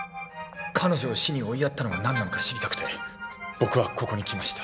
彼女を死に追いやったのがなんなのか知りたくて僕はここに来ました。